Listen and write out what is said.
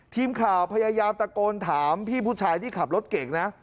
ทีมข่าวพยายามตะโกนถามพี่ผู้ชายที่ขับรถเก่งนะ